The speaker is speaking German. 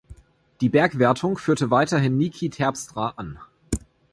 Die Bergwertung führte weiterhin Niki Terpstra an.